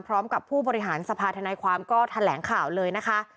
ผู้บริหารสภาธนายความก็แถลงข่าวเลยนะคะ